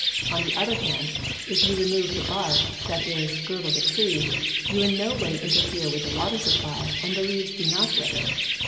On the other hand, if you remove the bark, that is, girdle the tree, you in no way interfere with the water supply and the leaves do not wither.